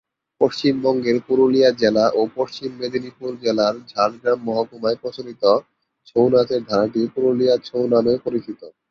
পশ্চিমবঙ্গের পুরুলিয়া জেলা ও পশ্চিম মেদিনীপুর জেলার ঝাড়গ্রাম মহকুমায় প্রচলিত ছৌ নাচের ধারাটি পুরুলিয়া ছৌ নামে পরিচিত।